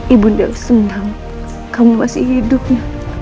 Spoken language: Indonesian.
ibunya senang kamu masih hidupnya